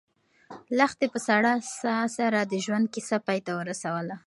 لښتې په سړه ساه سره د ژوند کیسه پای ته ورسوله.